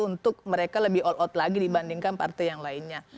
untuk mereka lebih all out lagi dibandingkan partai yang lainnya